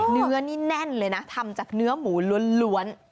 เนื้อนี่แน่นเลยนะทำจากเนื้อหมูล้วน